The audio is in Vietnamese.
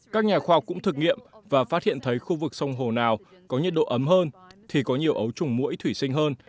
các nhà khoa học cũng thực nghiệm và phát hiện thấy khu vực sông hồ nào có nhiệt độ ấm hơn thì có nhiều ấu trùng mũi thủy sinh hơn